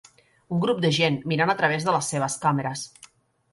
un grup de gent mirant a través de les seves càmeres